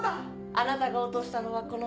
あなたが落としたのはこの。